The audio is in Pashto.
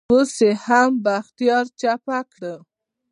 اوس يې هم بختيار چپه کړ.